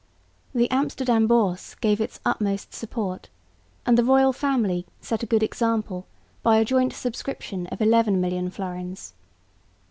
The Amsterdam Bourse gave its utmost support; and the royal family set a good example by a joint subscription of 11 million florins.